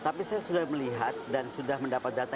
tapi saya sudah melihat dan sudah mendapat data